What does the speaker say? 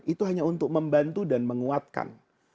itu hanya untuk membantu dan menguatkan